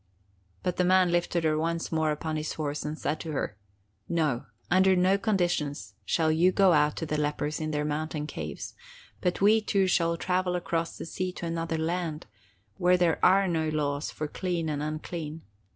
"But the man lifted her once more upon his horse, and said to her: 'No, under no conditions shall you go out to the lepers in their mountain caves, but we two shall travel across the sea to another land, where there are no laws for clean and unclean.